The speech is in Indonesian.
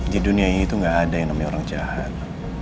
di dunia ini itu gak ada yang namanya orang jahat